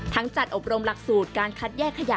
จัดอบรมหลักสูตรการคัดแยกขยะ